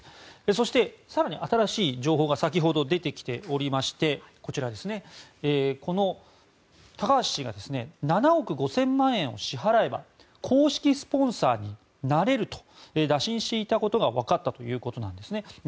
そして、更に新しい情報が先ほど出てきておりましてこの高橋氏が７億５０００万円を支払えば公式スポンサーになれると打診していたことが分かったということです。